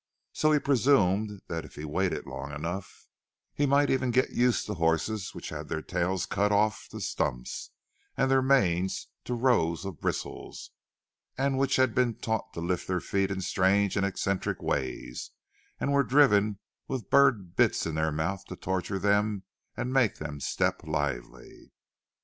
So he presumed that if he waited long enough, he might even get used to horses which had their tails cut off to stumps, and their manes to rows of bristles, and which had been taught to lift their feet in strange and eccentric ways, and were driven with burred bits in their mouths to torture them and make them step lively.